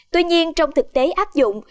tuy nhiên trong thực tế áp dụng